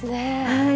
はい。